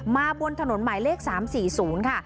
บนถนนหมายเลข๓๔๐ค่ะ